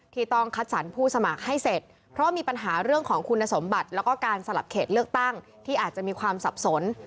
ที่ต้องคัดสรรผู้สมัครให้เสร็จเพราะมีปัญหาเรื่องของคุณสมบัติแล้วก็การสลับเขตเลือกตั้งที่อาจจะมีความสับสน